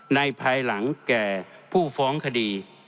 ภายหลังแก่ผู้ฟ้องคดี